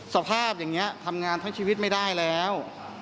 สภาพอย่างนี้ทำงานทั้งชีวิตไม่ได้แล้ว